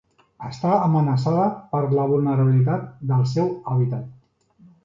Està amenaçada per la vulnerabilitat del seu hàbitat.